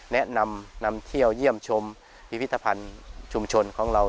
แนะนำนำเที่ยวเยี่ยมชมพิพิธภัณฑ์ชุมชนของเรา